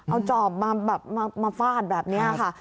เอาจอบมาฟาดแบบนี้ค่ะ